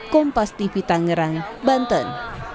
kompas tv tangerang banten